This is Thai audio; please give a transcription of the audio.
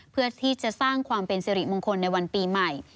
เพื่อที่จะสร้างความเป็นสิริมงคลในวันปีใหม่